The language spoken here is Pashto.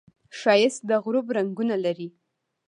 ښایست د غروب رنګونه لري